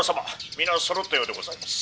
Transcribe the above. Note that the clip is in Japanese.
皆そろったようでございます」。